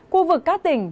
khu vực các tỉnh